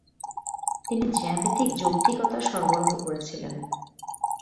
তিনি জ্যামিতিক যৌক্তিকতা সরবরাহ করেছিলেন।